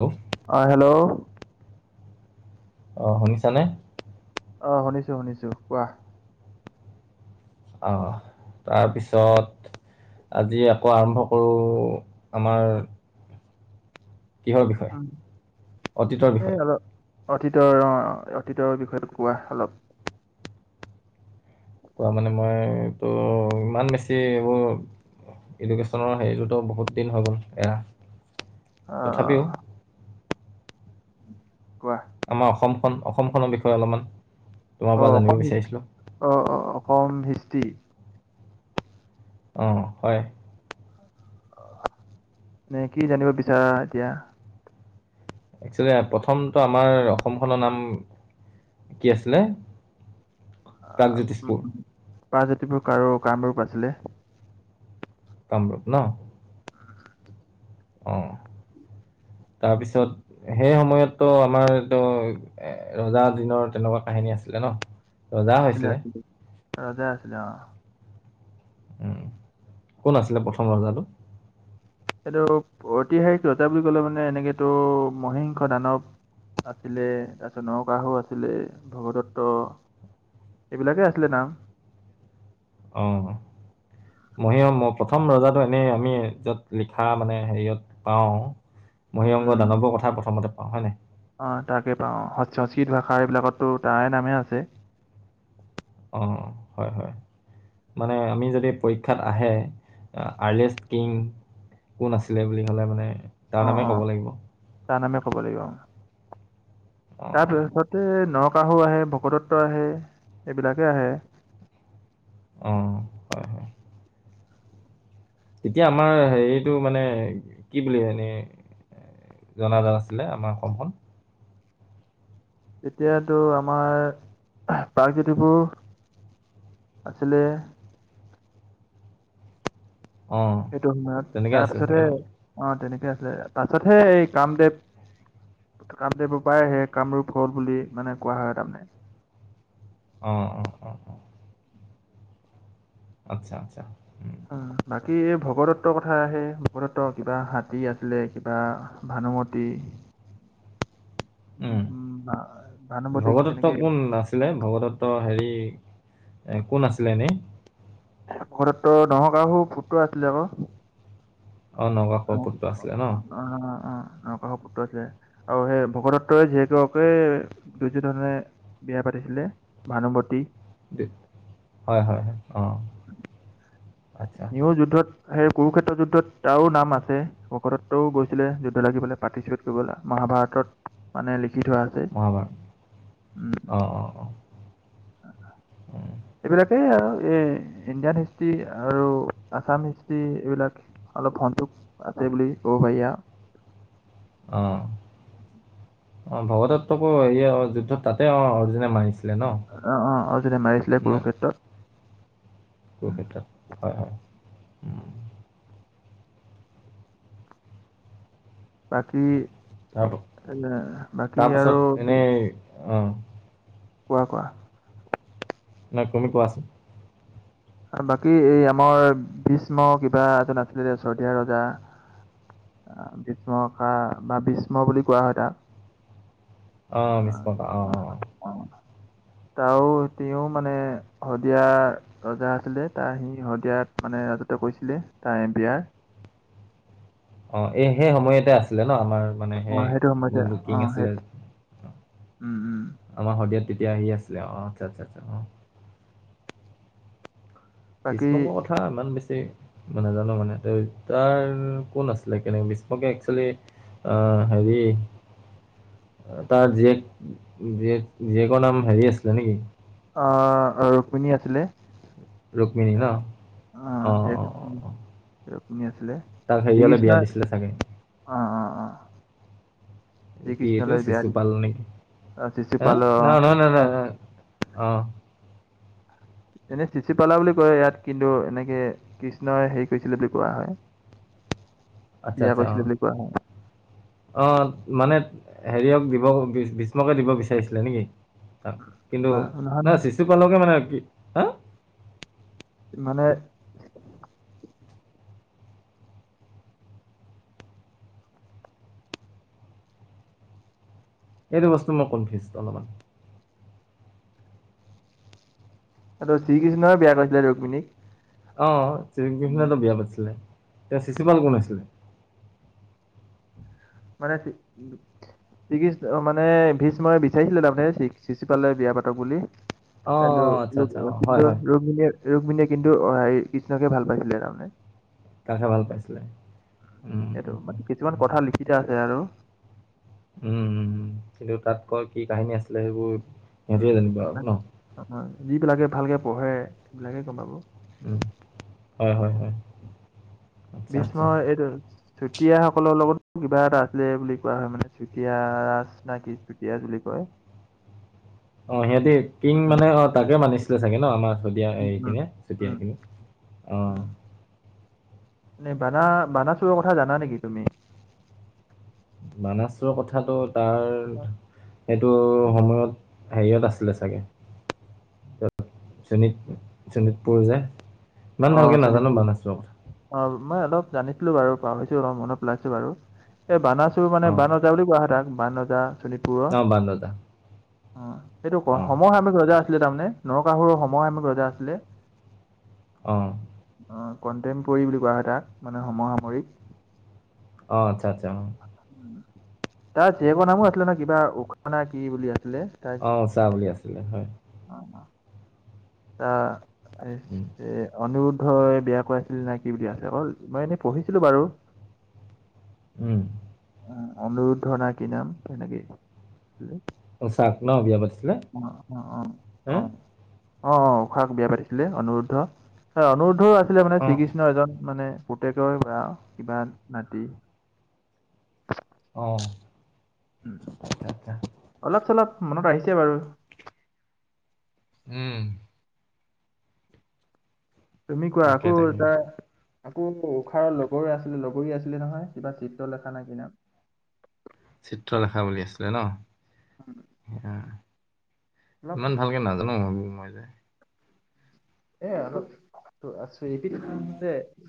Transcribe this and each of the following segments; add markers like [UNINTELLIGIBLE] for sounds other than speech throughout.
Hello অ' hello? অ' শুনিছা নে? অ' শুনিছো শুনিছো কোৱা? অ' তাৰপিছত আজি আকৌ আৰম্ভ কৰোঁ আমাৰ কিহৰ বিষয়ে অতীতৰ উম' এ বিষয়ে অল অতীতৰ অ' অতীতৰ বিষয়ে কোৱা অলপ। কোৱা মানে মইতো, ইমান বেছি এইবোৰ এডুকেশ্যনৰ হেৰিতো ত বহুত দিন হৈ গ'ল এৰা, আহ তথাপিও কোৱা? আমাৰ অসমখন অসমখনৰ বিষয়ে অলপমান তোমাৰ অ পৰা জানিব অসম বিচাৰিছিলোঁ অ অ অসম হিষ্ট্ৰী অ হয় মানে কি জানিব বিচাৰা এতিয়া একচুৱেলি প্ৰথমটো আমাৰ অসমখনৰ নাম কি আছিলে প্ৰাগজ্যোতিশপুৰ প্ৰাগজ্যোতিষপুৰ আৰু কামৰূপ আছিলে কামৰূপ ন অ তাৰপিছত সেই সময়তো আমাৰ এইটো ৰজা দিনৰ তেনেকুৱা কাহিনী আছিলে ন ৰজা আছিলে হৈছিলে আছিলে ৰজা আছিলে অ উম কোন আছিলে প্ৰথম ৰজাটো এইটো ঐতিহাসিক ৰজা বুলি ক'লে মানে এনেকেতো মহিংস দানৱ আছিলে তাৰপিছত নৰকাসুৰ আছিলে ভগদত্ত এইবিলাকে আছিলে নাম অ। মহীয়ম প্ৰথম ৰজাটো এনেই আমি য'ত লিখা মানে হেৰিয়ত! পাও মহিংগ উম দানৱৰ কথা প্ৰথমতে পাওঁ হয় নাই ‌ অ তাকে পাওঁ সংস্কৃত সংস্কৃত ভাষা এইবিলাকতো তাৰে নামে আছে। অ হয়, হয়! মানে আমি যদি পৰীক্ষাত আহে, আৰ্লেষ্ট কিং! কোন আছিলে বুলি, কলে মানে তাৰ অ নামে অ ক'ব লাগিব! তাৰ নামে ক'ব লাগিব উম অ তাৰপিছতে নৰকাসুৰ আহে, ভগদত্ত আহে এইবিলাকে আহে অ, হয় হয় এতিয়া আমাৰ হেৰিটো মানে কি বুলি এনেই। জনাজাত আছিলে আমাৰ অসমখন। তেতেতিয়াতো আমাৰ আ প্ৰাগজ্যোতিষপুৰ আছিলে। অঁ সেইটো সময়ত তেনেকে আছিল চাগে তাৰপিছতহে ন অ তেনেকে আছিলে পাছতহে এই কামদেৱ। কামদেৱৰ পৰাই সেই কামৰূপ হল, বুলি মানে কোৱা হয় তাৰমানে। অ, অ, অ, অ‌। আচ্ছা, আচ্ছা। উম, অ বাকী এই ভগদত্তৰ কথা, আহে ভগদত্ত কিবা হাতী আছিলে কিবা। ভানুমতি। [UNINTELLIGIBLE] উম, উম ভা ভানু্বতিক ভগদত্ত যেনেকে কোন আছিলে ভগদত্ত হেৰি এ কোন আছিলে এনেই ভগদত্ত নৰকাসুৰ পুত্ৰ আছিলে আক অ নৰকাসুৰ পুত্ৰ আছিলে ন। অ', অ', নৰকাসুৰ পুত্ৰ আছিলে আৰু সেই ভগদত্তৰ জীয়েককে দুৰ্যোধনে বিয়া পাতিছিলে ভানুমতি। দে হয়, হয়, হয় অ। সিও যুদ্ধত। সেই কুৰুক্ষেত্ৰ যুদ্ধত তাৰো নাম আছে ভগদত্ত গৈছিলে, যুদ্ধ লাগিবলে তাৰপিছত মহাভাৰতত মানে লিখি থোৱা আছে, মহাভাৰত উম। অঁ অঁ অঁ উম। এইবিলাকে আৰু এই ইণ্ডিয়ান হিষ্ট্ৰী। আৰু আছাম হিষ্টি এইবিলাক অলপ সন্তোষ আছে বুলি ক'ব পাৰি আও।। অঁ, অঁ ভগদত্তকৌ হেৰি যুদ্ধত তাতে অ- অৰ্জুনে মাৰিছে। অঁ, অঁ, অঁ যেতিয়া মাৰিছিলে কুৰু ক্ষেত্ৰত। কুৰুক্ষেত্ৰত হয়, হয়। বাকী তাৰ এ বাকী আৰু? অঁ। কোৱা, কোৱা? [UNINTELLIGIBLE] আৰু বাকী এই আমাৰ গ্ৰীষ্ম কিবা এজন আছিলে যে শদিয়া ৰজা। ভীষ্মষা বা ভীষ্ম বুলি কোৱা হয় তাক। অঁ, ভীষ্ম, অঁ- অঁ। অঁ, তাও -তেওঁ মানে শদিয়া - ৰজা আছিলে তাৰ সি শদিয়াত মানে ৰাজত্ব কৰিছিলে, তাৰ বিয়াৰ - অঁ, এই সেই সময়তে আছিলে ন আমাৰ মানে অ সেই সেইটো সময়তে যোন অ বুকিং সেই আছিলে। উম, উম। আমাৰ শদিয়াত তেতিয়া সেই আছিলে অঁ, আচ্ছা- আচ্ছা‌। বাকী বিষ্ফংকৰ কথা ইমান বেছি- মই নেজানো মানে তাৰ কোন আছিলে? ভীষ্মকে একচেলি- অঁ, হেৰি- তাৰ জীয়েক, জীয়েক -জীয়েকৰ নাম হেৰি আছিলে নেকি? ৰুক্মিণী আছিলে। ৰুক্মিণী ন আহ অ' যিহেতু অ' অ' - অ'। ৰুক্মিণী আছিলে। তাক হেৰিয়ালৈ বিয়া দিছিলে চাগে! অঁ -অঁ -অঁ। কি এইটো বিয়া চিচু পাল নেকি? অ চিচি হ, পাল ন- নহয়, নাই অ -নাই, ন, অঁ। এনে চিচিপালা বুলি কয় ইয়াত কিন্তু এনেকে কৃষ্ণই হেৰি কৰিছিলে বুলি কোৱা হয়। আচ্ছা, বিয়া আচ্ছা, অঁ। কৰিছিলে বুলি কোৱা হয় অঁ, মানে হেৰিয়ক ভীষ্মকে দিব বিচাৰিছিল নেকি? কিন্তু বা নহয় নাই নহয় চিচু পালকে মানে কি- হা মানে- সেইটো বস্তু মই কনফিউজ অলপমান। শ্ৰীকৃষ্ণই বিয়া কৰিছিলে ৰক্মিণীক। অঁ, শ্ৰীকৃষ্ণই তো বিয়া পাতিছিলে, তেওঁ শিশুপাল কোন আছিলে? মানে- শ্ৰীকৃষ্ণ মানে ভীষ্মই বিচাৰিছিলে তাৰমানে চি- চিচু পালে বিয়া পাতক বুলি। কিন্তু অঁ আচ্ছা আচ্ছা ৰুক্মিণীয়ে অঁ হয় কিন্তু হয় ৰুক্মিণীয়ে কিন্তু অঁ, হেৰি কৃষ্ণকে ভাল পাইছিলে তাৰমানে। তাকহে ভাল পাইছিলে। উম, এইটো উম, উম, মানে, কিছুমান উম। কথা লিখি থোৱা আছে আৰু। উম, উম। কিন্তু তাত ক কি কাহিনী আছিলে সেইবোৰ- সিহঁতিয়ে জানিব আৰু ন যিবিলাকে ভালকে পঢ়ে সেইবিলাকে গম পাব। উম, হয়- হয় -হয়। আচ্ছা ভীষ্ম আচ্ছা এইটো- চুতীয়াসকলৰ লগত কিবা এটা আছিলে বুলি কোৱা হয় মানে চুতীয়া না কি! চুতিয়া বুলি কয়। [INAUDIBLE] অ', সিহঁতে কিং মানে অ', তাকে মানিছিলে চাগে ন', আমাৰ চতিয়া উম, এই উম, খিনিয়ে চতিয়া উম। খিনি। উম। নে বানা, বানা চোৰৰ কথা জানা নেকি তুমি? মানাছৰ কথাটো তাৰ সেইটো সময়ত হেৰিয়ত আছিলে চাগে। শোণিত শোণিতপুৰ যে। ইমান অ', ভালকে নাজানো শোণিতপুৰ বানাছৰ কথা অ', মই অলপ জানিছিলো বাৰু পাহৰিছো অলপ মনত পেলাইছোঁ বাৰু। এই বানাচোৰ অ মানে বান ৰজা বুলি কোৱা কোৱা হয় তাক বান ৰজা। অ', বাণৰজা। উ, সেইটো ক সময়সাময়িক ৰজা আছিলে তাৰমানে নৰকাসুৰৰ সময়সাময়িক ৰজা আছিলে। অ'। অ', [UNINTELLIGIBLE] বুলি কোৱা হয় তাক, মানে সমসামৰিক। অ', আচ্ছা আচ্ছা, অ'। তাৰ জীয়েকৰ নামো আছিলে ন কিবা [UNINTELLIGIBLE] কি বুলি আছিলে। অ', উচা বুলি আছিলে হয়। [UNINTELLIGIBLE] উম অনিৰোদ্ধই বিয়া কৰাইছিলে নে কি, বিয়া যে হল, মই এনেই পঢ়িছিলো বাৰু উম। অনুৰদ্ধৰ নে কি নাম তেনেকে [UNINTELLIGIBLE] ন বিয়া পাতিছিলে, অ হা। অ অ', অ', উষাক বিয়া পাতিছিলে অনোৰুদ্ধ। হয়, অনোৰুদ্ধই আছিলে মানে অ শ্ৰীকৃষ্ণ এজন মানে পুতেকৰ বা কিবা নাতি অ'। আচ্ছা আচ্ছা অলপ চলপ মনত আহিছে বাৰু। উম। তুমি কোৱা তাকে আকৌ তাকে তাত আকৌ উশাৰ লগৰ আছিলে, লগৰি আছিলে নহয় কিবা চিত্ৰলেখা নে কি নাম। চিত্ৰলেখা বুলি আছিলে ন। অলপ ইমান ভালকে নাজানো মই যে এ অলপ [UNINTELLIGIBLE]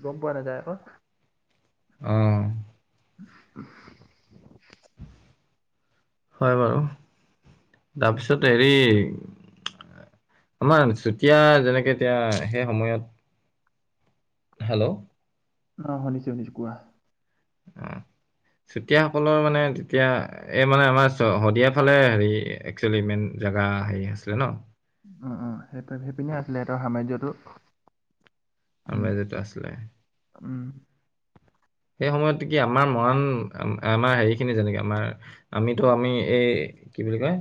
গম পোৱা নাযায় আকৌ। অ'। [UNINTELLIGIBLE] হয় বাৰু, তাৰপিছত হেৰি আমাৰ চুতীয়া যেনেকে এতিয়া একে সময়ত হেল্ল'। অ', শুনিছো শুনিছো কোৱা। অ', চুতীয়াসকলৰ মানে তেতিয়া এই মানে আমাৰ শদিয়াৰ ফালে হেৰি একচুৱেলি মেইন জেগা হেৰি আছিলে ন। উম উম, সেইটো সেইপিনে আছিলে সিহঁতৰ সাম্ৰজ্যটো। সাম্ৰাজ্যটো আছিলে। উম। সেই সময়ত কি আমাৰ মৰাণ আমাৰ হেৰি খিনি যেনেকে আমাৰ আমিতো আমি এই কি বুলি কয়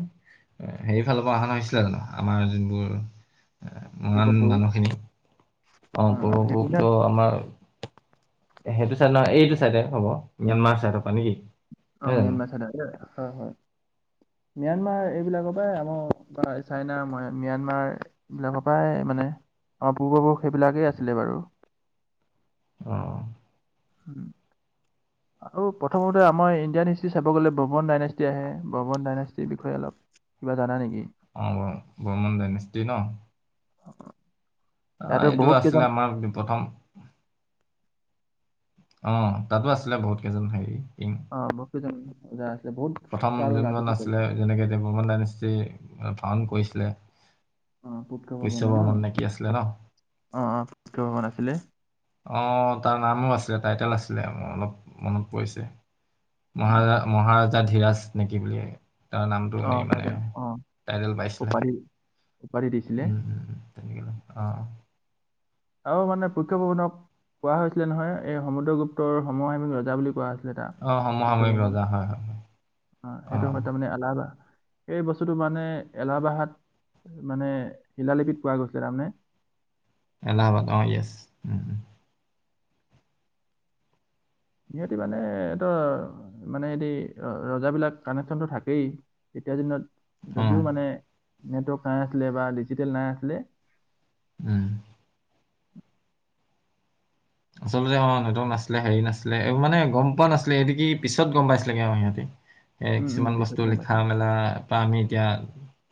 সেই ফালৰ পৰা অহা নহৈছিলে জানো? আমাৰ যোনবোৰ এ পূব মৰাণ পৰু মানুহখিনি। অঁ অ', অ', পূৰ্বপুৰুষ সেইপিনে ত আমাৰ সেইটো চাইড নহয় এইটো চাইডে হ'ব ম্যানমাৰ চাইডৰ পৰা নেকি? অঁ নহয় জানো ম্যানমাৰ চাইডৰ উম হয় হয়। ম্যানমাৰ এইবিলাকৰ পৰাই আমাৰ চাইনা ম্যানমাৰ এই বিলাকৰ পৰাই মানে, আমাৰ পূৰ্বপুৰুষ সেইবিলাকেই আছিলে বাৰু। অঁ। উম। আৰু প্ৰথমতে আমাৰ ইণ্ডিয়ান হিষ্ট্ৰি চাব গ'লে ব্ৰমন ডাইনেষ্টি আহে, ব্ৰমন ডাইনেষ্টিৰ বিষয়ে অলপ কিবা জানা নেকি? অঁ ব বৰ্মন ডাইনেষ্টি ন। অঁ ইয়াতো এইটো বহুত আছিলে কেইজন আমাৰ প্ৰথম অঁ তাতো আছিলে বহুত কেইজন হেৰি কিং। অঁ বহুত কেইজন ৰজা আছিলে বহুত প্ৰথম কাল যোনজন ৰাজত্ব আছিলে যেনেকে এতিয়া বৰ্মন ডাইনেষ্টি ফাউণ্ড কৰিছিলে অ পুষ্য বৰ্মন নে কি আছিলে ন? অঁ অঁ পুষ্য বৰ্মন আছিলে। অঁ তাৰ নামো আছিলে টাইটেল আছিলে, মোৰ অলপ মনত পৰিছে। মহাৰা মহাৰাজা ধীৰাজ নে কি বুলি। তাৰ নামটো অ এনেই মানে তাইটেল অ টাইটেল পাইছিলে। উপাধি উপাধি দিছিলে। [UNINTELLIGIBLE] অঁ। আৰু মানে পুষ্য বৰ্মনক কোৱা হৈছিলে নহয়, এই সমুদ্ৰগুপ্তৰ সমসামিক ৰজা বুলি কোৱা [UNINTELLIGIBLE] অ সমসাময়িক ৰজা হয় হয় অ সেইটো সময়ত তাৰমানে আলাবা এই বস্তুটো মানে এলাবাহাত মানে শিলালিপিত পোৱা গৈছিলে তাৰমানে। এলাহবাদ অঁ য়েছ, উম উম। সিহঁতি মানে এটোৰ মানে সিতি ৰজা বিলাক কানেকচনটো থাকেই। তেতিয়াৰ দিনত অঁ যদিও মানে নেটৱৰ্ক নাই আছিলে বা ডিজিটেল নাই আছিলে উম। আচলতে অ নেটৱৰ্ক নাছিলে হেৰি নাছিলে, এইবোৰ মানে গম পোৱা নাছিলে এইটো কি পিছত গম পাইছিলেগে আৰু সিহঁতে। এ উম উম কিছুমান পিছত বস্তু গম পাইছো লিখা মেলাৰ পৰা আমি এতিয়া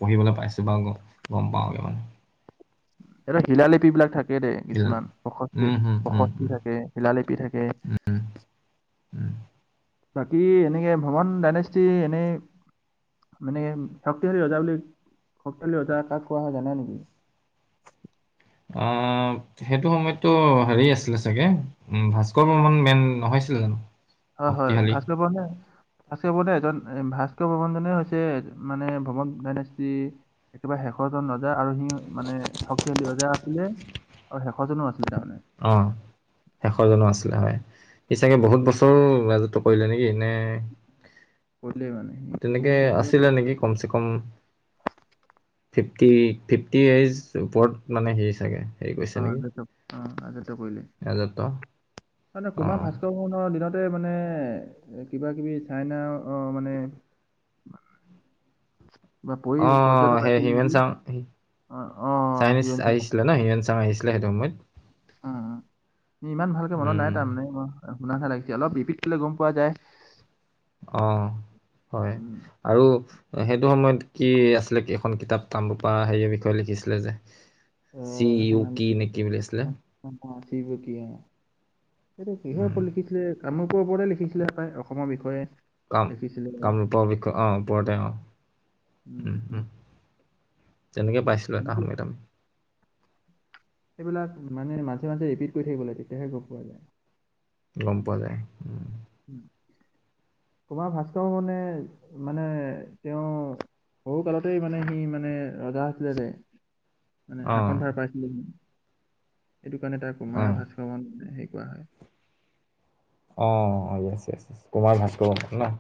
পঢ়িবলে পাইছো বা গম পাওঁ। এতিয়া শিলালিপি বিলাক থাক থাকে দে ইল- কিছুমান প্ৰসসি উম, হুম, উম, প্ৰসস্তি উম, থাকে শিলালিপি থাকে। উম। বাকী এনেকে ভ্মণ ডাইনেষ্টি এনেই মানে শক্তিশালী ৰজা বুলি, শক্তিশালী ৰজা কাক কোৱা হয় জানা নেকি? অঁ সেইটো সময়তো হেৰি আছিলে চাগে, উম ভাস্কৰ বৰ্মন মেইন নহয়ছিলে জানো? হয় হয় শক্তিশালী ভাস্কৰ বৰ্নে ভাস্কৰ বৰ্নে এজন ভাস্কৰ বৰ্মন জনে হৈছে মানে ভমণ ডাইনেষ্টী একেবাৰে শেষৰজন ৰজা আৰু সি মানে শক্তিশালী ৰজা আছিলে, আৰু শেষৰ জনো আছিলে তাৰমানে। অঁ। শেষৰজনো আছিলে হয়, সি চাগে বহুত বছৰ ৰাজত্ব কৰিলে নেকি নে কৰিলে মানে বহুত বছৰে ক কমছে কম ফিফটি, ফিফটি এইজ ওপৰত মানে সি চাগে। হেৰি কৰিছে অ নেকি [UNINTELLIGIBLE] ৰাজত্ব কৰিলি। অ কুমা ভাস্কৰ দিনতে মানে কিবা কিবি চাইনা অ মানে [UNINTELLIGIBLE] কিবা পৰি অ পৰ্যটক সেই আহিছিল হিউমেন নেকি? চাং অ, অ, চাইনিজ হিউৱেন চাং। আহিছিলে। নাই হিঙেংচাং আহিছিলে সেইটো সময়ত অ অ ইমান ভালকে মনত নাই উম তাৰমানে শুনা না লাগিছে অলপ ৰিপিট কৰিলে গম পোৱা যায়। অ হয় উম, আৰু সেইটো সময়ত কি আছিলে এখন কিতাপ তামৰূপা হেৰিয়ে বিষয়ে লিখিছিলে যে চি উ কি নে কি বুলি আছিলে? অ চি উ কি অ এইটো কিহৰ উম ওপৰত লিখিছিলে কামৰূপৰ ওপৰতে লিখিছিলে অসমৰ বিষয়ে কাম লিখিছিলে। কামৰূপৰ অ বিষয় আহ ওপৰতে আহ, উ উম। তেনেকে পাইছিলো এটা তেনেকে সময়ত আমি। সেইবিলান মানে মাজে মাজে ৰিপিট কৰি থাকিব লাগে, তেতিয়াহে গম পোৱা যায়। গম পোৱা যায় উম। কুমাৰ ভাস্কৰ বৰ্মনে মানে তেওঁ সৰু কালতেই মানে সি মানে ৰজা হৈছিল যে [INAUDIBLE] মানে শাসনধাৰ পাইছিলে যে। সেইটো কাৰণে তাৰ কুমাৰ অ ভাস্কৰ বৰ্মন হেৰি কৰা হয়। অ yes yes yes Kumar Bhaskar Barman ন?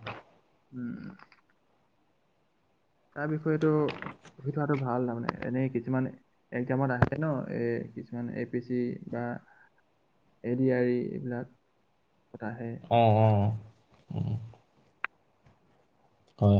উম। তাৰ বিষয়েতো পঢ়ি থোৱাটো ভাল তাৰমানে, এনেই কিছুমান একজামত আহে ন, এ কিছুমান এ পি চি বা এ ডি আৰ ই এইবিলাক কত আহে। অ অ উম। হয়।